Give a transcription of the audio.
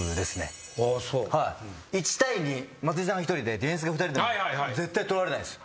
１対２松井さんが１人でディフェンスが２人でも絶対取られないです。